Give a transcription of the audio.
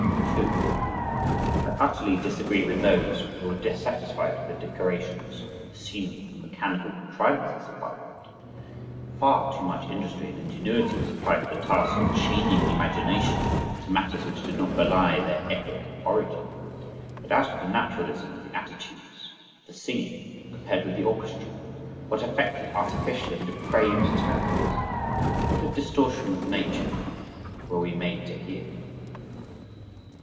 2. I utterly disagree with those who were dissatisfied with the decorations, the scenery and the mechanical contrivances at Bayreuth. Far too much industry and ingenuity was applied to the task of chaining the imagination to matters which did not belie their epic origin. But as to the naturalism of the attitudes, of the singing, compared with the orchestra!! What affected, artificial and depraved tones, what a distortion of nature, were we made to hear!